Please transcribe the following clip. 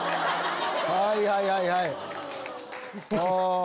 はいはいはいはい。